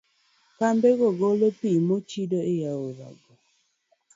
Kambigo golo pi mochido e aorego.